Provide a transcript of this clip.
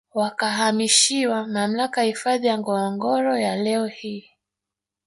Wakahamishiwa Mamlaka ya Hifadhi ya Ngorongoro ya leo hii